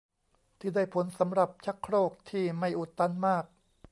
ที่ได้ผลสำหรับชักโครกที่ไม่อุดตันมาก